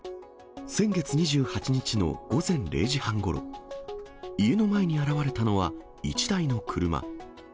先月２８日の午前０時半ごろ、家の前に現れたのは１台の車。